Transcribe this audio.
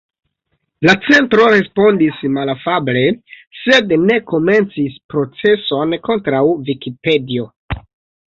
La centro respondis malafable sed ne komencis proceson kontraŭ Vikipedio